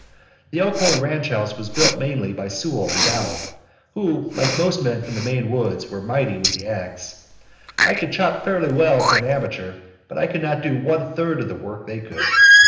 The Elkhorn ranch house was built mainly by Sewall and Dow, who, like most men from the Maine woods, were mighty with the ax. I could chop fairly well for an amateur, but I could not do one third the work they could.